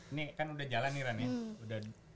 ini kan udah jalan nih ran ya